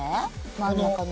真ん中の。